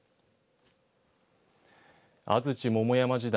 安土桃山時代